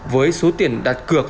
với số tiền đặt cực